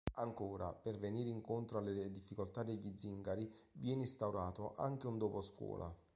Ancora per venire incontro alle difficoltà degli zingari viene instaurato anche un doposcuola.